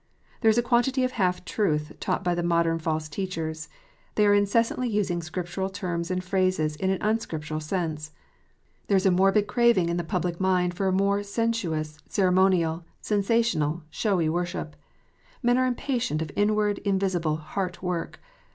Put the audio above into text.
There is a quantity of half truth taught by the modern false teachers : they are incessantly using Scriptural terms and phrases in an uuscriptural sense. There is a morbid craving in the public mind for a more sensuous, ceremonial, sensational, showy worship : men are impatient of inward, invisible heart work.